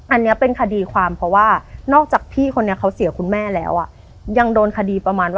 อันนี้เป็นคดีความเพราะว่านอกจากพี่คนนี้เขาเสียคุณแม่แล้ว